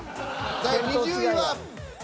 第２０位は。